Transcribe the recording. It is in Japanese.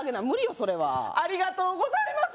それはありがとうございます！